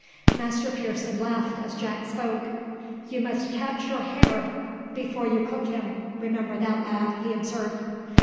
Master Pearson laughed as Jack spoke. "You must catch your hare before you cook him; remember that, lad," he observed.